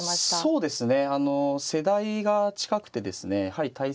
そうですね